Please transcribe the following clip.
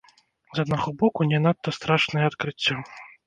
З аднаго боку не надта страшнае адкрыццё.